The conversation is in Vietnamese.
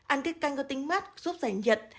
ăn tiết canh có tính mát giúp giải nhiệt